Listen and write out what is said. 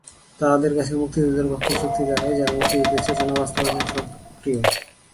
তাদের কাছে মুক্তিযুদ্ধের পক্ষের শক্তি তারাই, যারা মুক্তিযুদ্ধের চেতনা বাস্তবায়নে সক্রিয়।